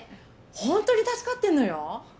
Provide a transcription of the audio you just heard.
ホントに助かってんのよ。